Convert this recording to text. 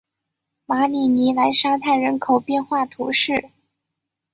马里尼莱沙泰人口变化图示